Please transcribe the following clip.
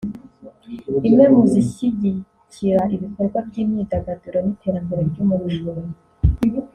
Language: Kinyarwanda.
imwe mu zishyigikira ibikorwa by’imyidagaduro n’iterambere ry’Umuco